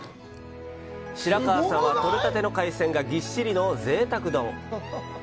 白川さんは、取れたての海鮮がギッシリのぜいたく丼。